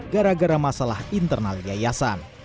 gara gara masalah internal yayasan